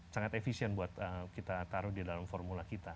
sangat efisien buat kita taruh di dalam formula kita